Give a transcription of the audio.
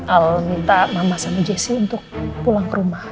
al minta mama sama jeksi untuk pulang ke rumah